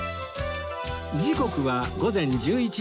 時刻は午前１１時４５分